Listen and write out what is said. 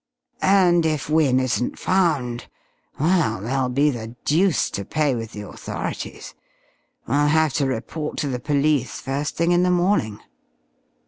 "And if Wynne isn't found well, there'll be the deuce to pay with the authorities. We'll have to report to the police first thing in the morning."